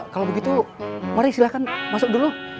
kalau begitu mari silahkan masuk dulu